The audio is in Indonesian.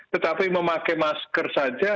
tetapi memakai masker saja